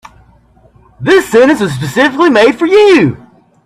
This sentence was specifically made for you.